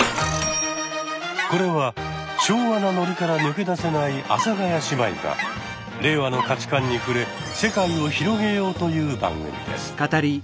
これは昭和なノリから抜け出せない阿佐ヶ谷姉妹が令和の価値観に触れ世界を広げようという番組です。